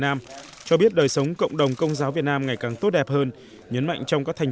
nam cho biết đời sống cộng đồng công giáo việt nam ngày càng tốt đẹp hơn nhấn mạnh trong các thành